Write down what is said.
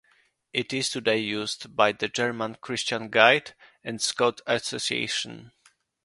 It is today used by the German Christian Guide and Scout Association.